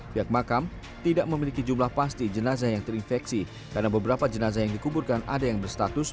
pihak makam tidak memiliki jumlah pasti jenazah yang terinfeksi karena beberapa jenazah yang dikuburkan ada yang berstatus